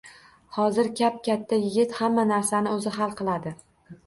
Hozirkap-katta yigit, hamma narsani oʻzi hal qiladi